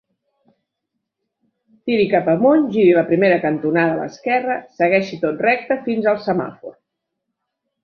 Tiri cap amunt, giri a la primera cantonada a l'esquerra, segueixi tot recte fins al semàfor.